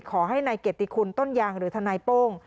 ขอให้นายเกียรติคุณต้นยางหรือทนายโป้ง